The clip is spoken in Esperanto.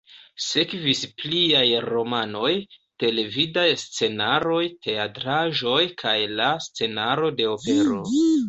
Sekvis pliaj romanoj, televidaj scenaroj, teatraĵoj kaj la scenaro de opero.